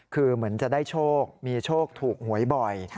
คือเหมือนจะได้โชคมีโชคถูกหวยบ่อย